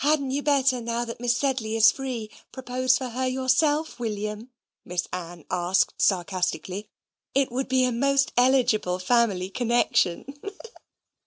"Hadn't you better, now that Miss Sedley is free, propose for her yourself, William?" Miss Ann asked sarcastically. "It would be a most eligible family connection.